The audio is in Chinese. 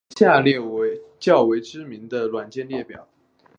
下列是较为知名的软件列表。